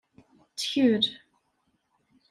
Ttkel.